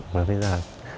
và bây giờ